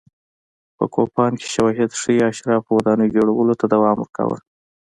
په کوپان کې شواهد ښيي اشرافو ودانۍ جوړولو ته دوام ورکاوه.